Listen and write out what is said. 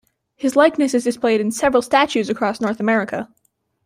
His likeness is displayed in several statues across North America.